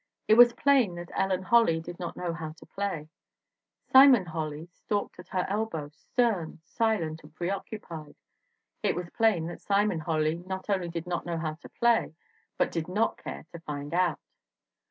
It was plain that Ellen Holly did not know how to play. Simon Holly stalked at her elbow, stern, silent and preoccupied. It was plain that Simon Holly not only did not know how to play, but did not care to find out.